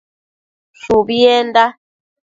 Shubienda